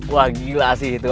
wah gila sih itu